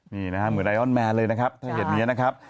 นี่นะครับเหมือนไอรอนแมนเลยนะครับถ้าเห็นอย่างนี้นะครับ